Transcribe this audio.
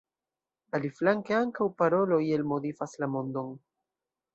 Aliflanke ankaŭ parolo iel modifas la mondon.